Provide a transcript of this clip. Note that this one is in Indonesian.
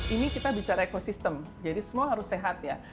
ini kita bicara ekosistem jadi semua harus sehat ya